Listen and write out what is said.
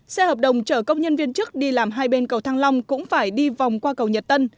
xe hợp đồng chở công nhân viên chức đi làm hai bên cầu thăng long cũng phải đi vòng qua cầu nhật tân